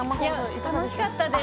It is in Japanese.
楽しかったです。